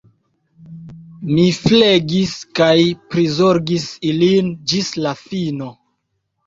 Mi flegis kaj prizorgis ilin ĝis la fino.